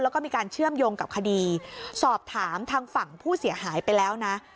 แล้วก็มีการเชื่อมโยงกับคดีสอบถามทางฝั่งผู้เสียหายไปแล้วนะ